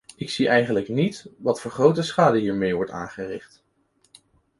Ik zie eigenlijk niet wat voor grote schade hiermee wordt aangericht.